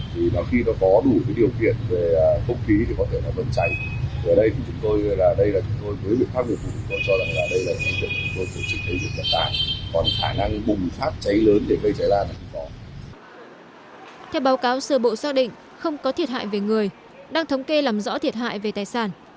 theo báo cáo sở bộ xác định không có thiệt hại về người đang thống kê làm rõ thiệt hại về tài sản